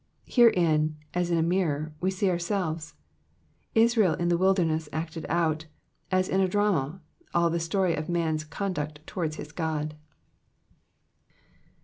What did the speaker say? Herein, as in a mirror, we see ourselves. Israel in the wilderness acted out, as in a drama, all the story of man^s conduct towards his God.